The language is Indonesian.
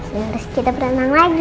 seharusnya kita berenang lagi